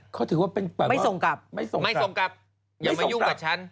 เขาถือว่าเป็นแบบไม่ส่งกลับไม่ส่งไม่ส่งกลับอย่ามายุ่งกับฉัน